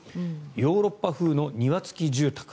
ヨーロッパ風の庭付き住宅。